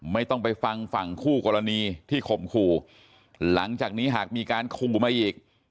ไม่ต้องไปฟังฝั่งคู่กรณีที่ข่มขู่หลังจากนี้หากมีการขู่มาอีก